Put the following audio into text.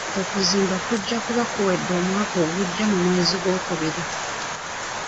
Okuzimba kujja kuba kuwedde omwaka ogujja mu mwezi gw'okubiri.